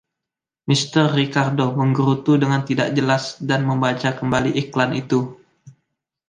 Mr. Ricardo menggerutu dengan tidak jelas, dan membaca kembali iklan itu.